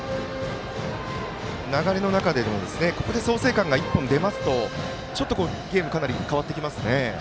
流れの中で、ここで創成館が一歩出ますとゲーム、かなり変わってきますね。